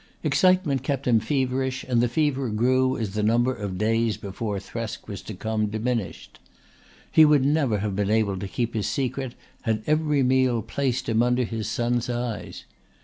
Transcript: Excitement kept him feverish and the fever grew as the number of days before Thresk was to come diminished. He would never have been able to keep his secret had every meal placed him under his son's eyes.